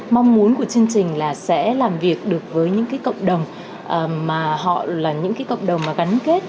mong muốn của chương trình là sẽ làm việc được với những cộng đồng mà họ là những cộng đồng gắn kết